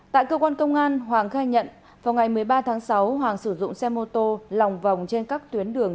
tại cơ quan công an hoàng khai nhận vào ngày một mươi ba tháng sáu hoàng sử dụng xe mô tô lòng vòng trên các tuyến đường